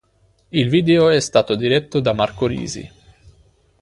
Il video è stato diretto da Marco Risi.